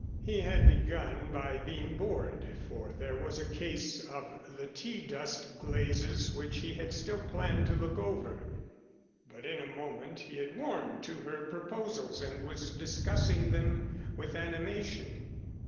He had begun by being bored, for there was a case of the tea dust glazes which he had still planned to look over, but in a moment he had warmed to her proposals and was discussing them with animation.